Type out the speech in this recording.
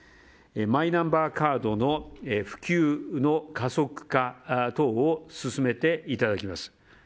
マイナンバーカードの普及の加速化等を進めていただきます。